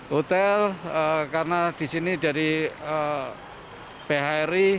hotel karena di sini dari phri